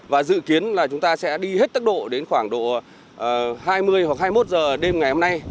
và dự kiến là chúng ta sẽ đi hết tốc độ đến khoảng độ hai mươi hoặc hai mươi một giờ đêm ngày hôm nay